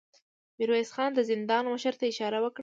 ميرويس خان د زندان مشر ته اشاره وکړه.